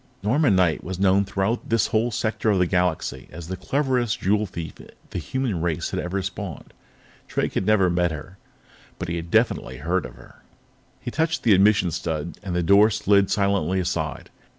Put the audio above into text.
Norma Knight was known throughout this whole sector of the Galaxy as the cleverest jewel thief the human race had ever spawned. Drake had never met her, but he had definitely heard of her. He touched the admission stud, and the door slid silently aside.